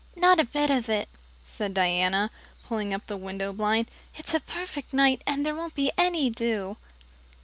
"Not a bit of it," said Diana, pulling up the window blind. "It's a perfect night, and there won't be any dew.